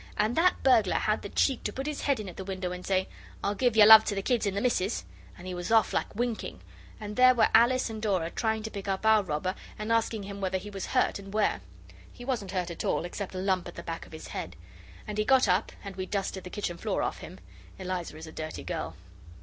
And that burglar had the cheek to put his head in at the window and say, 'I'll give yer love to the kids and the missis' and he was off like winking, and there were Alice and Dora trying to pick up our robber, and asking him whether he was hurt, and where. He wasn't hurt at all, except a lump at the back of his head. And he got up, and we dusted the kitchen floor off him. Eliza is a dirty girl.